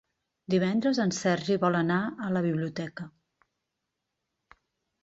Divendres en Sergi vol anar a la biblioteca.